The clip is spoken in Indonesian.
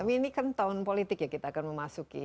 tapi ini kan tahun politik ya kita akan memasuki